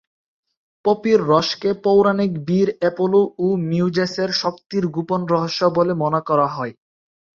পপির রসকে পৌরাণিক বীর অ্যাপোলো ও মিউজেসের শক্তির গোপন রহস্য বলে মনে করা হয়।